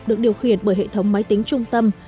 được điều khiển bởi hệ thống máy tính trung tâm